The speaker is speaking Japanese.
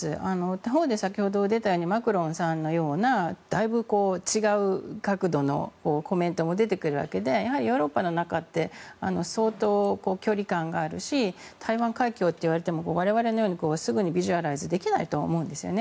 他方で、先ほど出たようにマクロンさんのようなだいぶ違う角度のコメントも出てくるわけでヨーロッパの中って相当距離感があるし台湾海峡って言われても我々のようにすぐにビジュアライズはできないとは思うんですよね。